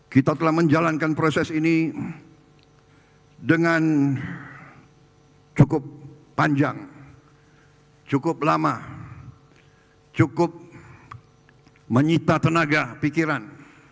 kita telah menjalankan proses ini dengan cukup panjang cukup lama cukup menyita tenaga pikiran